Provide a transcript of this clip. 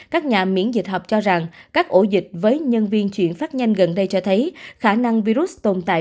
các nhà miễn dịch học cho rằng các ổ dịch với nhân viên chuyển phát nhanh gần đây cho thấy khả năng virus tồn tại